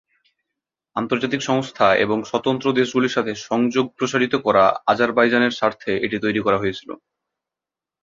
আন্তর্জাতিক সংস্থা এবং স্বতন্ত্র দেশগুলির সাথে সংযোগ প্রসারিত করা আজারবাইজানের স্বার্থে এটি তৈরি করা হয়েছিল।